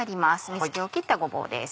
水気を切ったごぼうです。